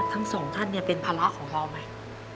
ทั้งสองท่านเนี่ยเป็นภาระของพ่อไหม